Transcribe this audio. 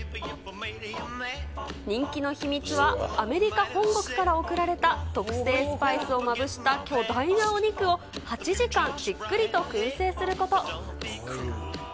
人気の秘密は、アメリカ本国から送られた特製スパイスをまぶした巨大なお肉を、８時間じっくりとくん製すること。